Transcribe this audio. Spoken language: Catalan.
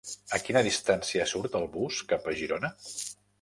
A quina distància surt el bus cap a Girona?